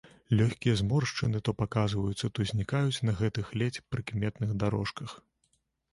Лёгкія зморшчыны то паказваюцца, то знікаюць на гэтых ледзь прыкметных дарожках.